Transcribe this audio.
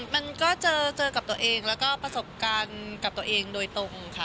มันก็เจอกับตัวเองแล้วก็ประสบการณ์กับตัวเองโดยตรงค่ะ